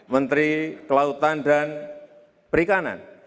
menteri kelautan dan perikanan